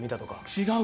違う。